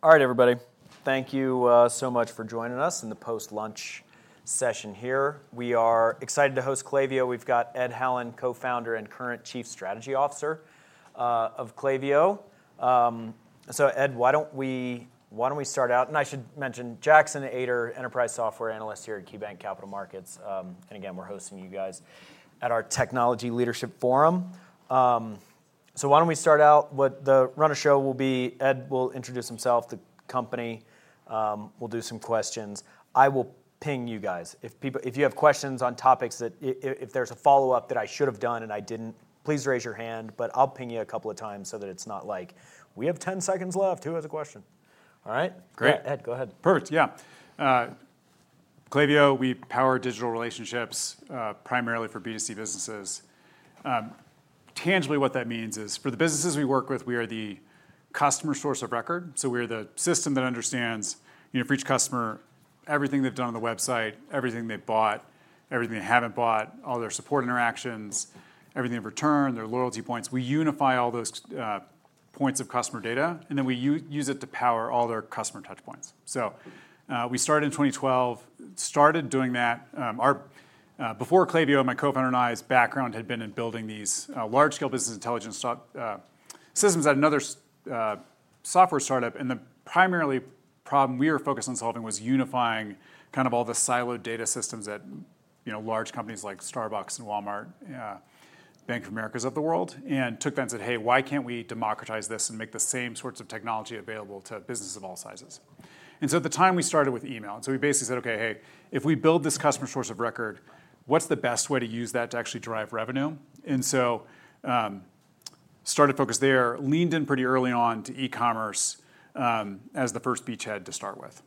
All right, everybody. Thank you so much for joining us in the post-lunch session here. We are excited to host Klaviyo. We've got Ed Hallen, Co-founder and current Chief Strategy Officer of Klaviyo. Ed, why don't we start out? I should mention Jackson Ader, Enterprise Software Analyst here at Q Bank Capital Markets, and again, we're hosting you guys at our Technology Leadership Forum. Why don't we start out with the run of show? Ed will introduce himself and the company. We'll do some questions. I will ping you guys. If you have questions on topics that, if there's a follow-up that I should have done and I didn't, please raise your hand. I'll ping you a couple of times so that it's not like we have 10 seconds left. Who has a question? All right. Great. Go ahead. Perfect. Yeah. Klaviyo, we power digital relationships, primarily for B2C businesses. Tangibly, what that means is for the businesses we work with, we are the customer source of record. We're the system that understands, you know, for each customer, everything they've done on the website, everything they've bought, everything they haven't bought, all their support interactions, everything they've returned, their loyalty points. We unify all those points of customer data, and then we use it to power all their customer touchpoints. We started in 2012, started doing that. Before Klaviyo, my co-founder and I, his background had been in building these large-scale business intelligence systems at another software startup. The primary problem we were focused on solving was unifying kind of all the siloed data systems that, you know, large companies like Starbucks and Walmart, Bank of America's of the world, and took that and said, hey, why can't we democratize this and make the same sorts of technology available to businesses of all sizes? At the time, we started with email. We basically said, okay, hey, if we build this customer source of record, what's the best way to use that to actually drive revenue? Started focused there, leaned in pretty early on to e-commerce as the first beachhead to start with.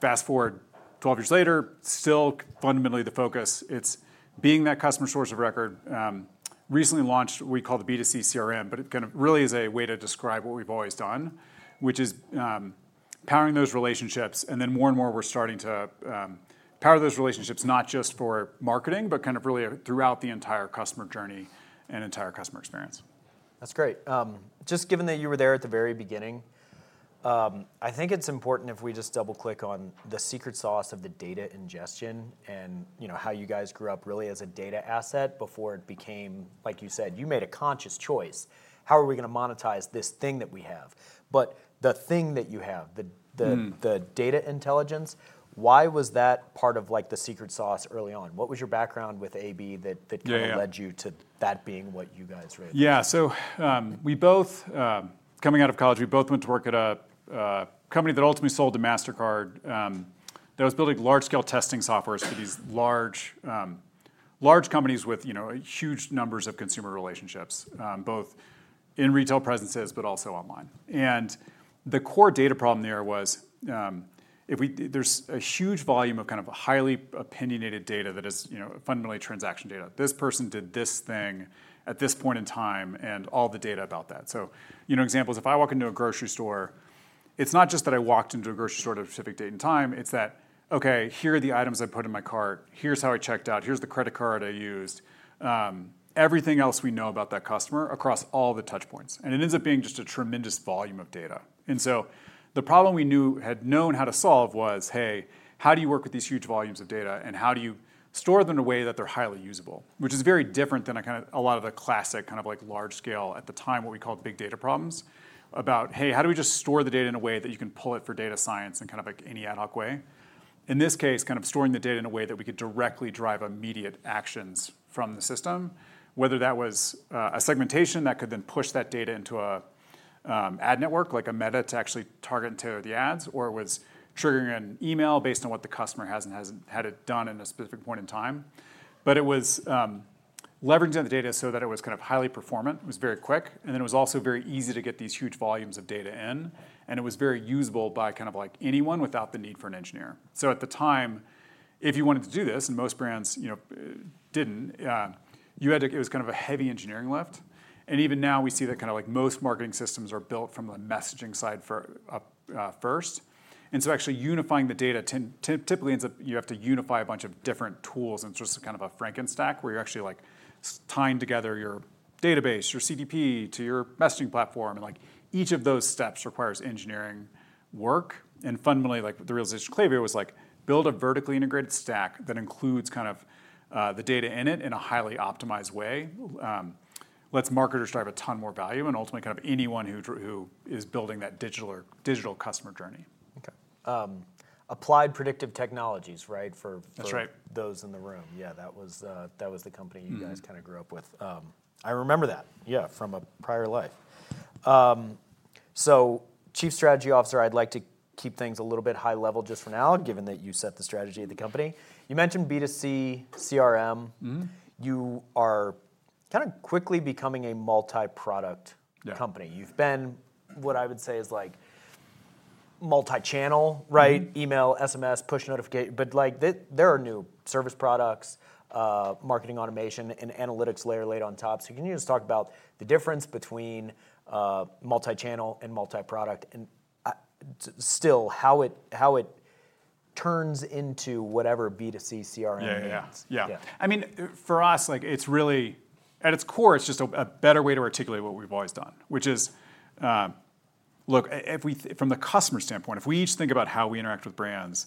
Fast forward 12 years later, still fundamentally the focus, it's being that customer source of record. Recently launched, we call the B2C CRM, but it kind of really is a way to describe what we've always done, which is powering those relationships. More and more, we're starting to power those relationships, not just for marketing, but kind of really throughout the entire customer journey and entire customer experience. That's great. Just given that you were there at the very beginning, I think it's important if we just double click on the secret sauce of the data ingestion and how you guys grew up really as a data asset before it became, like you said, you made a conscious choice. How are we going to monetize this thing that we have? The thing that you have, the data intelligence, why was that part of the secret sauce early on? What was your background with AB that led you to that being what you guys were able to do? Yeah, so, coming out of college, we both went to work at a company that ultimately sold to MasterCard, that was building large-scale testing software for these large, large companies with huge numbers of consumer relationships, both in retail presences and also online. The core data problem there was, if we, there's a huge volume of kind of highly opinionated data that is fundamentally transaction data. This person did this thing at this point in time and all the data about that. For example, if I walk into a grocery store, it's not just that I walked into a grocery store at a specific date and time, it's that, okay, here are the items I put in my cart. Here's how I checked out. Here's the credit card I used, everything else we know about that customer across all the touchpoints. It ends up being just a tremendous volume of data. The problem we knew how to solve was, hey, how do you work with these huge volumes of data and how do you store them in a way that they're highly usable, which is very different than a lot of the classic large-scale, at the time, what we called big data problems about, hey, how do we just store the data in a way that you can pull it for data science and any ad hoc way? In this case, storing the data in a way that we could directly drive immediate actions from the system, whether that was a segmentation that could then push that data into an ad network, like a Meta, to actually target and tailor the ads, or it was triggering an email based on what the customer has and hasn't done at a specific point in time. It was leveraging the data so that it was highly performant, it was very quick, and it was also very easy to get these huge volumes of data in. It was very usable by anyone without the need for an engineer. At the time, if you wanted to do this, and most brands didn't, it was kind of a heavy engineering lift. Even now we see that most marketing systems are built from the messaging side first. Actually unifying the data typically ends up, you have to unify a bunch of different tools. It's just kind of a Frankenstein where you're tying together your database, your customer data platform to your messaging platform, and each of those steps requires engineering work. Fundamentally, the realization at Klaviyo was to build a vertically integrated stack that includes the data in it in a highly optimized way. It lets marketers drive a ton more value and ultimately kind of anyone who is building that digital or digital customer journey. Okay. Applied Predictive Technologies, right? For those in the room. Yeah, that was the company you guys kind of grew up with. I remember that. Yeah, from a prior life. Chief strategy officer, I'd like to keep things a little bit high level just for now, given that you set the strategy of the company. You mentioned B2C CRM. Mm-hmm. You are kind of quickly becoming a multi-product company. You've been what I would say is like multi-channel, right? Email, SMS, push notification, but like there are new service products, marketing automation and analytics layer laid on top. Can you just talk about the difference between multi-channel and multi-product and still how it turns into whatever B2C CRM? Yeah, yeah. I mean, for us, it's really, at its core, just a better way to articulate what we've always done, which is, look, if we, from the customer standpoint, if we each think about how we interact with brands,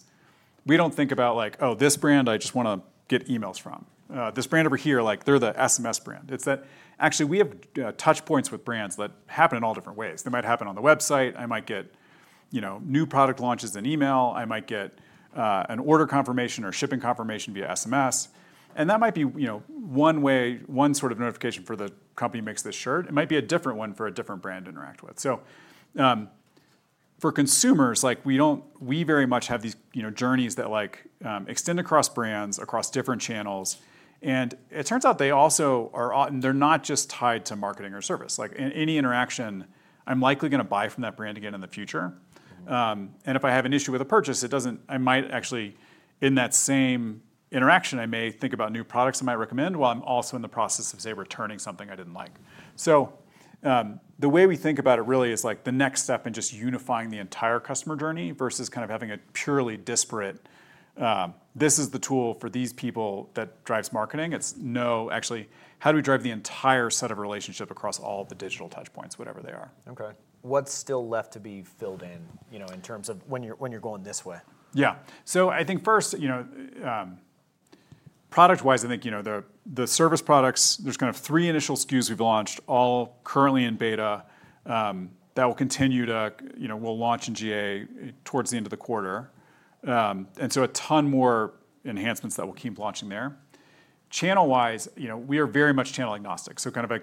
we don't think about like, oh, this brand I just want to get emails from, this brand over here, like they're the SMS brand. It's that actually we have touchpoints with brands that happen in all different ways. They might happen on the website. I might get new product launches in email. I might get an order confirmation or shipping confirmation via SMS. That might be one way, one sort of notification for the company that makes this shirt. It might be a different one for a different brand to interact with. For consumers, we very much have these journeys that extend across brands, across different channels. It turns out they also are, and they're not just tied to marketing or service. In any interaction, I'm likely going to buy from that brand again in the future, and if I have an issue with a purchase, I might actually, in that same interaction, think about new products I might recommend while I'm also in the process of, say, returning something I didn't like. The way we think about it really is like the next step in just unifying the entire customer journey versus kind of having a purely disparate, this is the tool for these people that drives marketing. It's no, actually, how do we drive the entire set of relationships across all the digital touchpoints, whatever they are? Okay, what's still left to be filled in in terms of when you're going this way? Yeah. I think first, product-wise, the service products, there's kind of three initial SKUs we've launched, all currently in beta, that will continue to, we'll launch in GA towards the end of the quarter. A ton more enhancements that we'll keep launching there. Channel-wise, we are very much channel agnostic.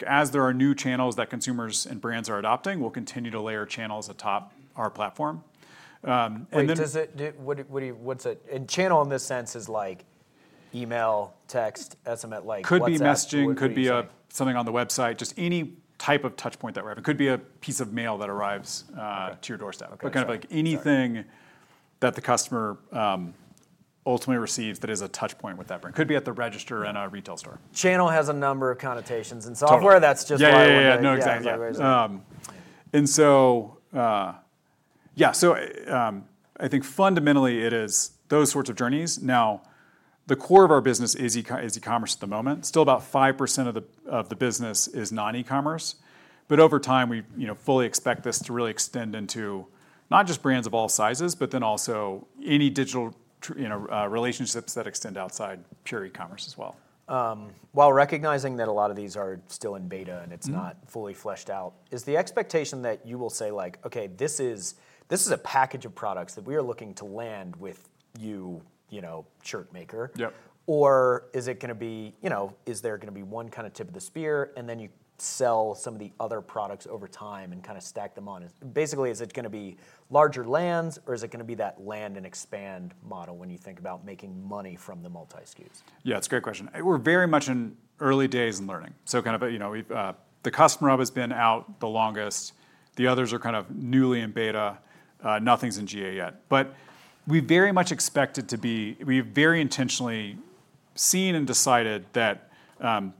As there are new channels that consumers and brands are adopting, we'll continue to layer channels atop our platform. What do you, what's it? Channel in this sense is like email, text, SMS, like. could be messaging, could be something on the website, just any type of touchpoint that we're having. It could be a piece of mail that arrives to your doorstep, kind of like anything that the customer ultimately receives that is a touchpoint with that brand. It could be at the register in a retail store. Channel has a number of connotations in software. That's just. Exactly. I think fundamentally it is those sorts of journeys. The core of our business is e-commerce at the moment. Still, about 5% of the business is non-e-commerce. Over time, we fully expect this to really extend into not just brands of all sizes, but also any digital relationships that extend outside pure e-commerce as well. While recognizing that a lot of these are still in beta and it's not fully fleshed out, is the expectation that you will say, okay, this is a package of products that we are looking to land with you, you know, shirt maker. Yeah. Is it going to be, you know, is there going to be one kind of tip of the spear, and then you sell some of the other products over time and kind of stack them on? Basically, is it going to be larger lands, or is it going to be that land and expand model when you think about making money from the multi-SKUs? Yeah, it's a great question. We're very much in early days and learning. We've, the Customer Hub has been out the longest. The others are newly in beta. Nothing's in GA yet. We very much expect it to be, we've very intentionally seen and decided that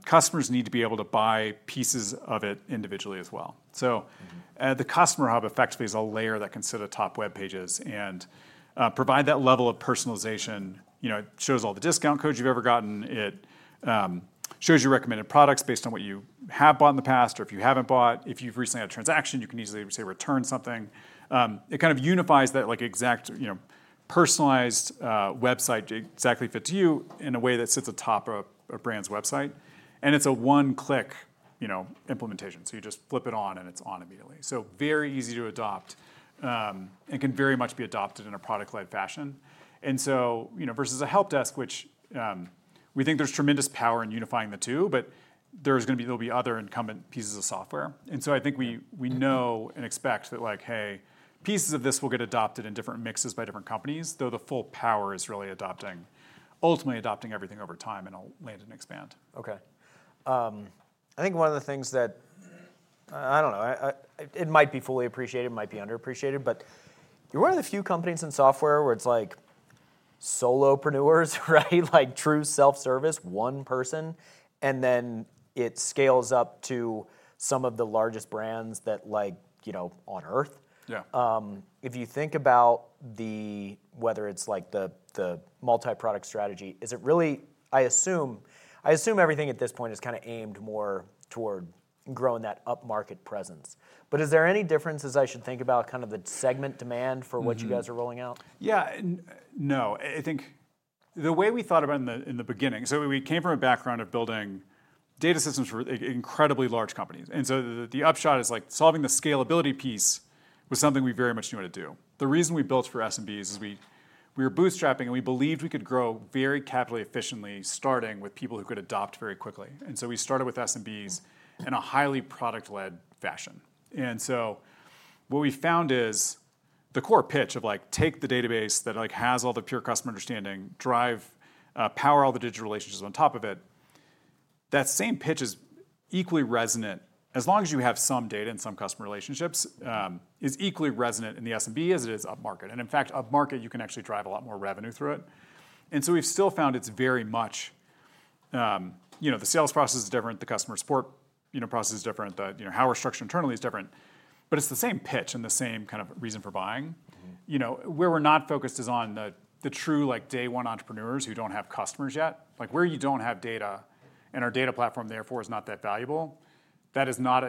customers need to be able to buy pieces of it individually as well. The Customer Hub effectively is a layer that can sit atop web pages and provide that level of personalization. It shows all the discount codes you've ever gotten. It shows your recommended products based on what you have bought in the past or if you haven't bought. If you've recently had a transaction, you can easily say return something. It kind of unifies that exact, personalized website to exactly fit to you in a way that sits atop a brand's website. It's a one-click implementation. You just flip it on and it's on immediately. Very easy to adopt, and can very much be adopted in a product-led fashion. Versus a help desk, which, we think there's tremendous power in unifying the two, but there are going to be other incumbent pieces of software. I think we know and expect that, "Hey, pieces of this will get adopted in different mixes by different companies, though the full power is really adopting, ultimately adopting everything over time and land and expand." Okay. I think one of the things that, I don't know, it might be fully appreciated, it might be underappreciated, but you're one of the few companies in software where it's like solopreneurs, right? Like true self-service, one person, and then it scales up to some of the largest brands that, you know, on earth. Yeah. If you think about whether it's the multi-product strategy, is it really, I assume everything at this point is kind of aimed more toward growing that upmarket presence. Is there any differences I should think about, kind of the segment demand for what you guys are rolling out? Yeah, no, I think the way we thought about it in the beginning, we came from a background of building data systems for incredibly large companies. The upshot is, solving the scalability piece was something we very much knew how to do. The reason we built for SMBs is we were bootstrapping and we believed we could grow very capitally efficiently, starting with people who could adopt very quickly. We started with SMBs in a highly product-led fashion. What we found is the core pitch of, take the database that has all the pure customer understanding, drive, power all the digital relationships on top of it. That same pitch is equally resonant, as long as you have some data and some customer relationships, is equally resonant in the SMB as it is upmarket. In fact, upmarket, you can actually drive a lot more revenue through it. We've still found it's very much, you know, the sales process is different, the customer support process is different, how we're structured internally is different. It's the same pitch and the same kind of reason for buying. Where we're not focused is on the true day one entrepreneurs who don't have customers yet. Where you don't have data and our data platform therefore is not that valuable. That is not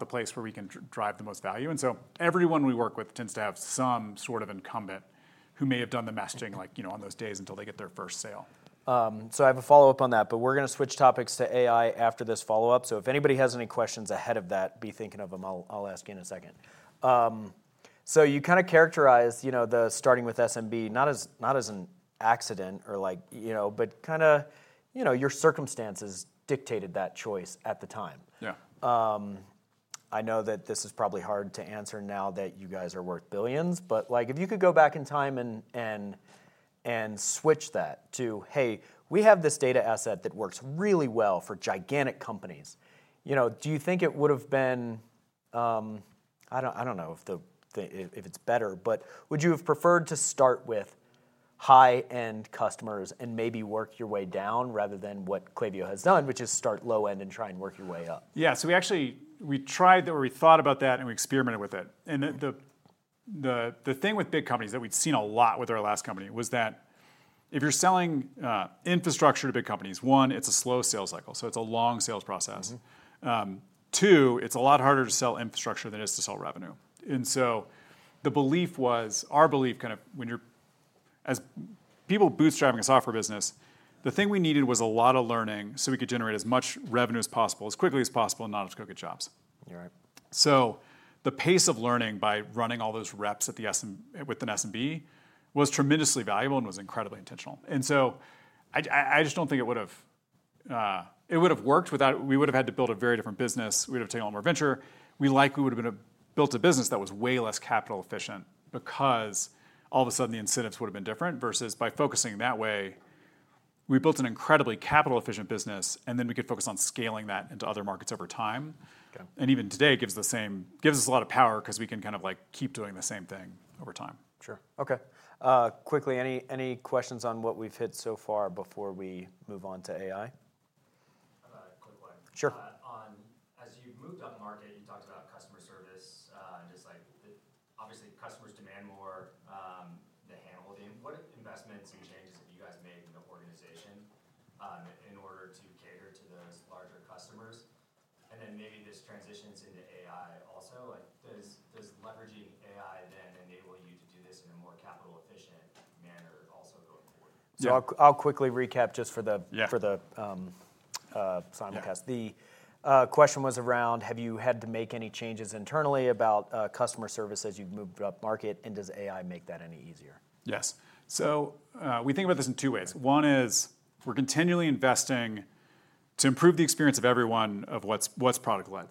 the place where we can drive the most value. Everyone we work with tends to have some sort of incumbent who may have done the messaging on those days until they get their first sale. I have a follow-up on that, but we're going to switch topics to AI after this follow-up. If anybody has any questions ahead of that, be thinking of them. I'll ask you in a second. You kind of characterize the starting with SMB, not as an accident or like, but kind of your circumstances dictated that choice at the time. Yeah. I know that this is probably hard to answer now that you guys are worth billions, but if you could go back in time and switch that to, hey, we have this data asset that works really well for gigantic companies, do you think it would have been, I don't know if it's better, but would you have preferred to start with high-end customers and maybe work your way down rather than what Klaviyo has done, which is start low-end and try and work your way up? Yeah, we actually tried or we thought about that and we experimented with it. The thing with big companies that we'd seen a lot with our last company was that if you're selling infrastructure to big companies, one, it's a slow sales cycle. It's a long sales process. Two, it's a lot harder to sell infrastructure than it is to sell revenue. The belief was, our belief kind of when you're, as people bootstrapping a software business, the thing we needed was a lot of learning so we could generate as much revenue as possible as quickly as possible and not as quick at jobs. You're right. The pace of learning by running all those reps at the SMB with an SMB was tremendously valuable and was incredibly intentional. I just don't think it would have worked without that. We would have had to build a very different business. We would have taken a lot more venture. We likely would have built a business that was way less capital efficient because all of a sudden the incentives would have been different. By focusing that way, we built an incredibly capital efficient business and then we could focus on scaling that into other markets over time. Even today it gives us a lot of power because we can kind of like keep doing the same thing over time. Sure. Okay. Quickly, any questions on what we've hit so far before we move on to AI? Sure. As you've moved up market, you talked about customer service, just like obviously customers demand more. The handle of the investments and changes that you guys made in the organization, in order to cater to those larger customers. Maybe just transition to the AI also, like does leveraging AI then enable? I'll quickly recap just for the final test. The question was around, have you had to make any changes internally about customer service as you've moved up market and does AI make that any easier? Yes. We think about this in two ways. One is we're continually investing to improve the experience of everyone of what's product-led.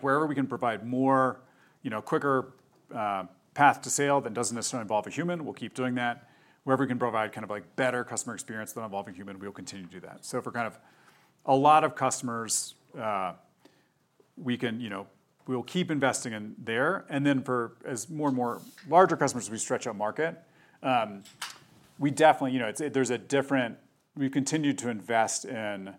Wherever we can provide more, you know, quicker path to sale that doesn't necessarily involve a human, we'll keep doing that. Wherever we can provide better customer experience than involving a human, we'll continue to do that. For a lot of customers, we'll keep investing in there. As more and more larger customers, we stretch out market. We definitely, you know, there's a different, we continue to invest in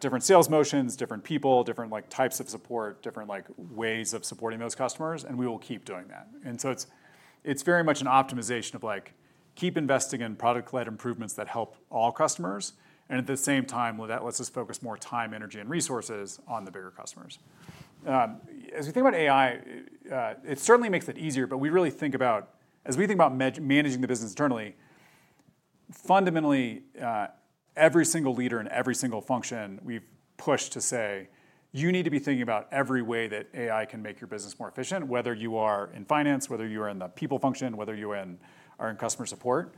different sales motions, different people, different types of support, different ways of supporting those customers. We will keep doing that. It's very much an optimization of keep investing in product-led improvements that help all customers. At the same time, that lets us focus more time, energy, and resources on the bigger customers. As we think about AI, it certainly makes it easier, but we really think about, as we think about managing the business internally, fundamentally, every single leader in every single function, we've pushed to say, you need to be thinking about every way that AI can make your business more efficient, whether you are in finance, whether you are in the people function, whether you are in customer support.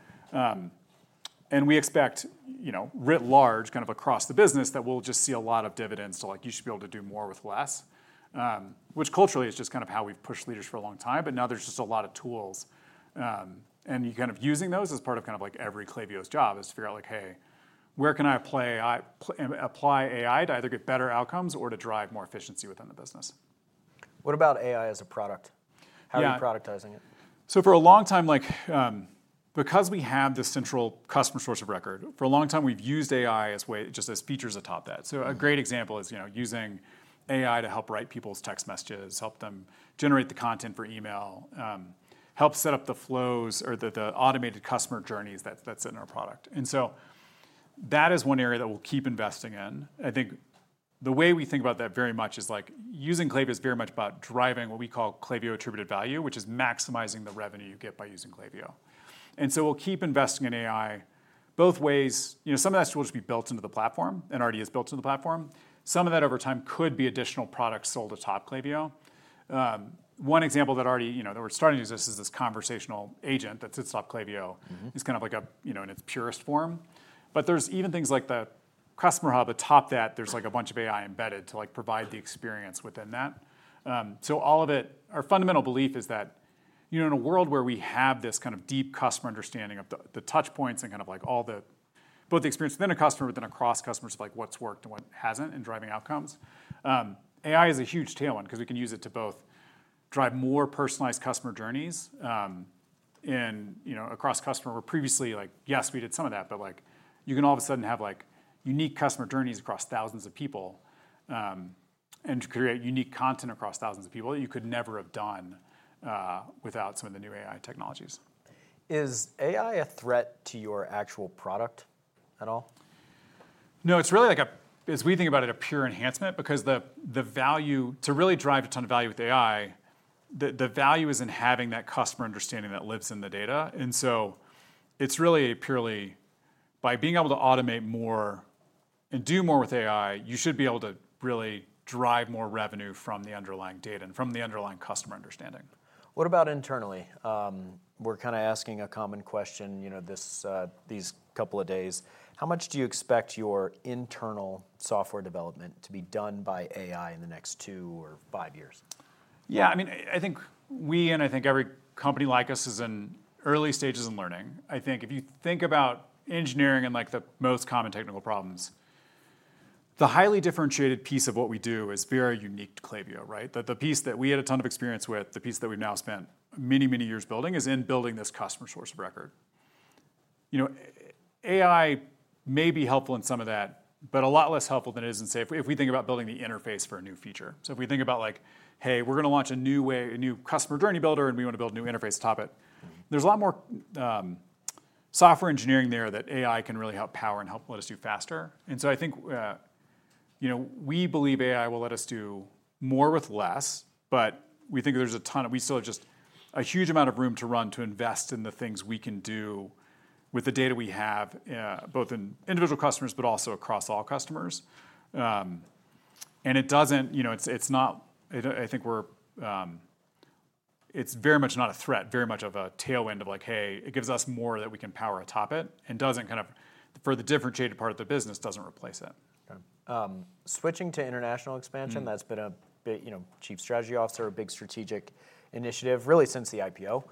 We expect, you know, writ large across the business that we'll just see a lot of dividends to like, you should be able to do more with less. Culturally, it's just kind of how we've pushed leaders for a long time, but now there's just a lot of tools. Using those as part of every Klaviyo's job is to figure out like, hey, where can I apply AI to either get better outcomes or to drive more efficiency within the business? What about AI as a product? How are you productizing it? For a long time, because we have this central customer source of record, we've used AI as a way, just as features atop that. A great example is using AI to help write people's text messages, help them generate the content for email, help set up the flows or the automated customer journeys that are in our product. That is one area that we'll keep investing in. The way we think about that very much is using Klaviyo is very much about driving what we call Klaviyo attributed value, which is maximizing the revenue you get by using Klaviyo. We'll keep investing in AI both ways. Some of that will just be built into the platform and already is built into the platform. Some of that over time could be additional products sold atop Klaviyo. One example that we're starting to use is this conversational agent that sits atop Klaviyo. It's kind of like, in its purest form. There are even things like the Customer Hub atop that, there's a bunch of AI embedded to provide the experience within that. All of it, our fundamental belief is that in a world where we have this kind of deep customer understanding of the touchpoints and all the experience within a customer, but then across customers of what's worked and what hasn't in driving outcomes, AI is a huge tailwind because we can use it to both drive more personalized customer journeys. Across customers, previously, yes, we did some of that, but you can all of a sudden have unique customer journeys across thousands of people and create unique content across thousands of people that you could never have done without some of the new AI technologies. Is AI a threat to your actual product at all? No, it's really like, as we think about it, a pure enhancement because the value to really drive a ton of value with AI, the value is in having that customer understanding that lives in the data. It's really purely by being able to automate more and do more with AI, you should be able to really drive more revenue from the underlying data and from the underlying customer understanding. What about internally? We're kind of asking a common question these couple of days. How much do you expect your internal software development to be done by AI in the next two or five years? Yeah, I mean, I think we, and I think every company like us, is in early stages in learning. I think if you think about engineering and the most common technical problems, the highly differentiated piece of what we do is very unique to Klaviyo, right? The piece that we had a ton of experience with, the piece that we've now spent many, many years building, is in building this customer source of record. AI may be helpful in some of that, but a lot less helpful than it is if we think about building the interface for a new feature. If we think about, hey, we're going to launch a new way, a new customer journey builder, and we want to build a new interface atop it, there's a lot more software engineering there that AI can really help power and help let us do faster. I think we believe AI will let us do more with less, but we think there's a ton of, we still have just a huge amount of room to run to invest in the things we can do with the data we have, both in individual customers, but also across all customers. It doesn't, you know, it's not, I think we're, it's very much not a threat, very much a tailwind of, hey, it gives us more that we can power atop it and doesn't, for the differentiated part of the business, doesn't replace it. Okay. Switching to international expansion, that's been a big, you know, chief strategy officer, a big strategic initiative really since the IPO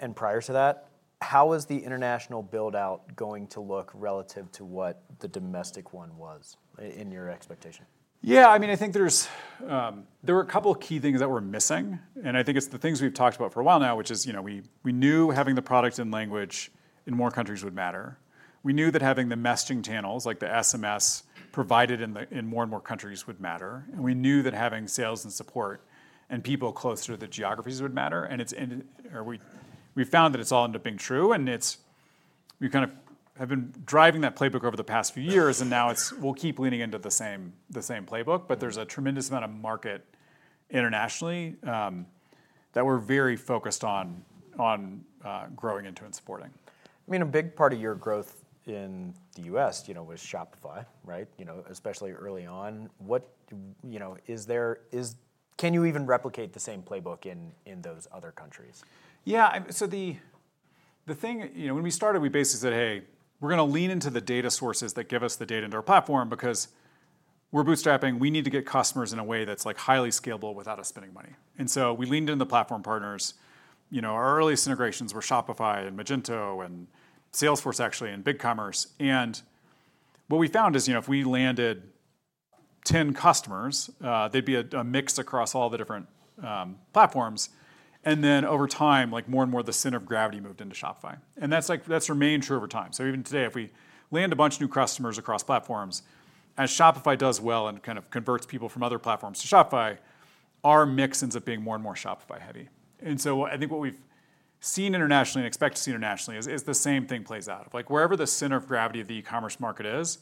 and prior to that. How is the international build-out going to look relative to what the domestic one was in your expectation? Yeah, I mean, I think there were a couple of key things that were missing. I think it's the things we've talked about for a while now, which is, you know, we knew having the product and language in more countries would matter. We knew that having the messaging channels, like the SMS provided in more and more countries would matter. We knew that having sales and support and people closer to the geographies would matter. We found that it's all ended up being true. We kind of have been driving that playbook over the past few years. Now, we'll keep leaning into the same playbook, but there's a tremendous amount of market internationally that we're very focused on growing into and supporting. I mean, a big part of your growth in the U.S. was Shopify, right? Especially early on. Is there, can you even replicate the same playbook in those other countries? Yeah. The thing, you know, when we started, we basically said, hey, we're going to lean into the data sources that give us the data into our platform because we're bootstrapping. We need to get customers in a way that's highly scalable without us spending money. We leaned into the platform partners. Our earliest integrations were Shopify and Magento and Salesforce actually and BigCommerce. What we found is, if we landed 10 customers, they'd be a mix across all the different platforms. Over time, more and more of the center of gravity moved into Shopify. That's remained true over time. Even today, if we land a bunch of new customers across platforms, as Shopify does well and kind of converts people from other platforms to Shopify, our mix ends up being more and more Shopify heavy. I think what we've seen internationally and expect to see internationally is the same thing plays out. Wherever the center of gravity of the e-commerce market is,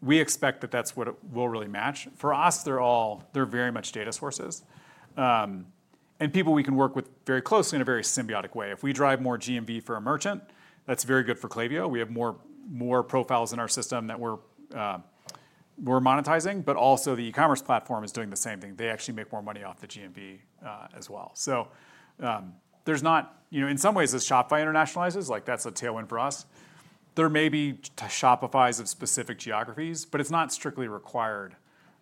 we expect that that's what it will really match. For us, they're very much data sources and people we can work with very closely in a very symbiotic way. If we drive more GMV for a merchant, that's very good for Klaviyo. We have more profiles in our system that we're monetizing, but also the e-commerce platform is doing the same thing. They actually make more money off the GMV as well. In some ways, as Shopify internationalizes, that's a tailwind for us. There may be Shopifys of specific geographies, but it's not strictly required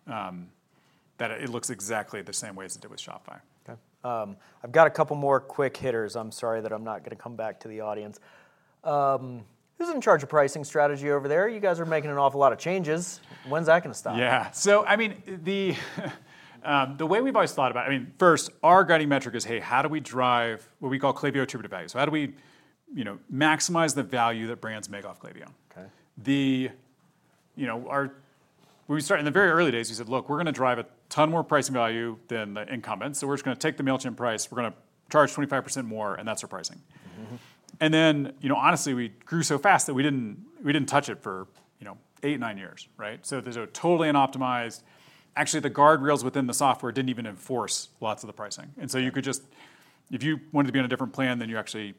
that it looks exactly the same way as it did with Shopify. Okay. I've got a couple more quick hitters. I'm sorry that I'm not going to come back to the audience. Who's in charge of pricing strategy over there? You guys are making an awful lot of changes. When's that going to stop? Yeah. The way we've always thought about it, first, our guiding metric is, hey, how do we drive what we call Klaviyo attributive value? How do we maximize the value that brands make off Klaviyo? Okay. When we started in the very early days, we said, look, we're going to drive a ton more pricing value than the incumbents. We're just going to take the mail chain price, we're going to charge 25% more, and that's our pricing. Honestly, we grew so fast that we didn't touch it for eight, nine years. There was a totally unoptimized setup; actually, the guardrails within the software didn't even enforce lots of the pricing. You could just, if you wanted to be on a different plan than you actually,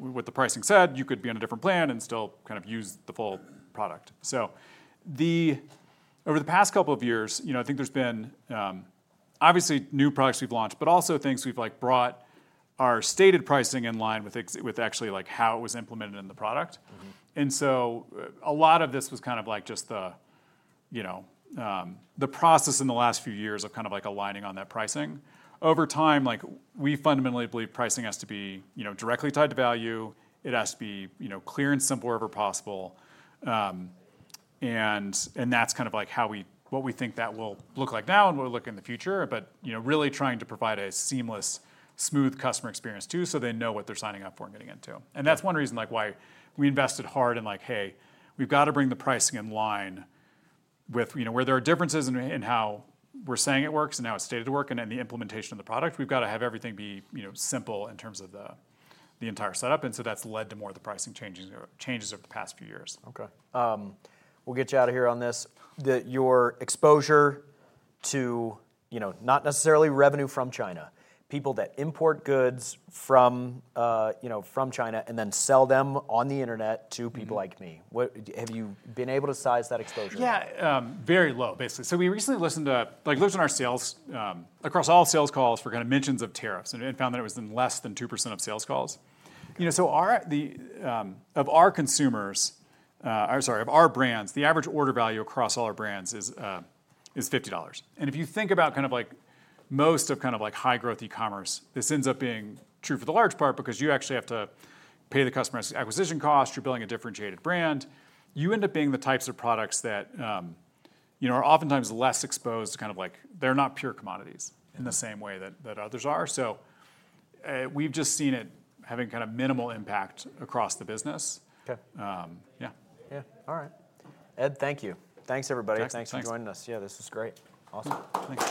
with the pricing set, you could be on a different plan and still kind of use the full product. Over the past couple of years, I think there's been obviously new products we've launched, but also things we've brought our stated pricing in line with how it was implemented in the product. A lot of this was just the process in the last few years of aligning on that pricing. Over time, we fundamentally believe pricing has to be directly tied to value. It has to be clear wherever possible, and that's what we think that will look like now and what we'll look like in the future. We're really trying to provide a seamless, smooth customer experience too, so they know what they're signing up for and getting into. That's one reason why we invested hard in bringing the pricing in line with where there are differences in how we're saying it works and how it's stated to work and then the implementation of the product. We've got to have everything be simple in terms of the entire setup. That's led to more of the pricing changes over the past few years. Okay. We'll get you out of here on this. That your exposure to, you know, not necessarily revenue from China, people that import goods from, you know, from China and then sell them on the internet to people like me. What have you been able to size that exposure? Yeah, very low, basically. We recently listened to our sales, across all sales calls for mentions of tariffs and found that it was in less than 2% of sales calls. Of our brands, the average order value across all our brands is $50. If you think about most of high growth e-commerce, this ends up being true for the large part because you actually have to pay the customer acquisition cost. You're building a differentiated brand. You end up being the types of products that are oftentimes less exposed to, they're not pure commodities in the same way that others are. We've just seen it having minimal impact across the business. Okay. Yeah. All right. Ed, thank you. Thanks everybody. Thanks for joining us. This was great. Awesome. Thanks.